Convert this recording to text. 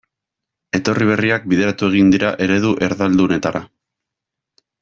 Etorri berriak bideratu egin dira eredu erdaldunetara.